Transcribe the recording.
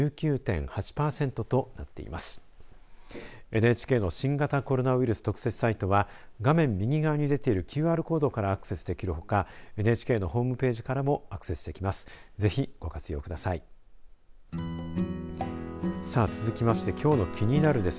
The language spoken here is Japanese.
ＮＨＫの新型コロナウイルス特設サイトは画面右側に出ているＱＲコードからアクセスできるほかＮＨＫのホームページからもアクセスできます。